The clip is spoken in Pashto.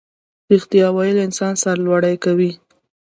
ریښتیا ویل انسان سرلوړی کوي